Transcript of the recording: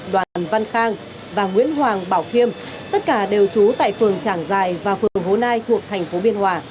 đoàn văn khang và nguyễn hoàng bảo thiêm tất cả đều chú tại phường tràng giài và phường hồ nai thuộc tp biên hòa